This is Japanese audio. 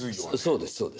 そうですそうです。